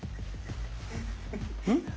うん？